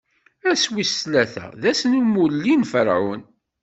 Ass wis tlata, d ass n umulli n Ferɛun.